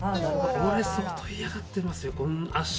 これ相当嫌がってますよ。